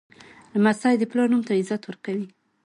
لمسی د پلار نوم ته عزت ورکوي.